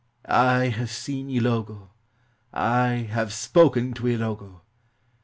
"I have seen Ilogo, I have spoken to Ilogo.